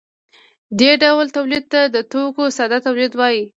دې ډول تولید ته د توکو ساده تولید وايي.